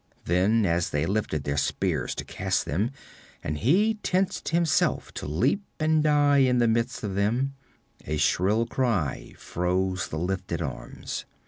Then as they lifted their spears to cast them, and he tensed himself to leap and die in the midst of them, a shrill cry froze the lifted arms.